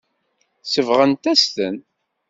Sebɣent-as-ten.